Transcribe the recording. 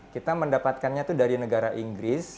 kita mendapatkannya itu dari negara inggris